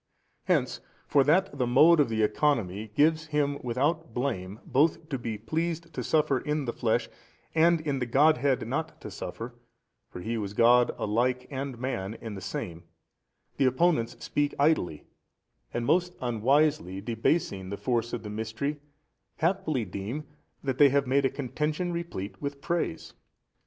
Hence, for that the mode of the Economy gives Him without blame, both to be pleased to suffer in the flesh, and in the Godhead not to suffer (for He was God alike and Man in the Same) the opponents speak idly, and most unwisely debasing the force of the mystery haply deem that they have made a contention 63 replete with praise.